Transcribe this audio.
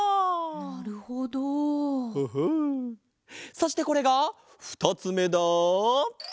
そしてこれがふたつめだ。